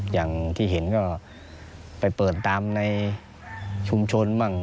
อย่างที่เห็นก็ไปเปิดตามในชุมชนบ้าง